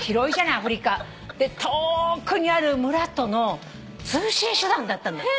遠くにある村との通信手段だったんだって。